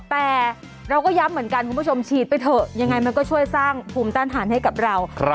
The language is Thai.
แต่เราก็ย้ำเหมือนกันคุณผู้ชมฉีดไปเถอะยังไงมันก็ช่วยสร้างภูมิต้านทานให้กับเรา